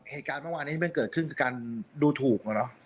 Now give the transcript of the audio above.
เหตุการณ์เมื่อวานนี้มันเกิดขึ้นคือการดูถูกเนอะ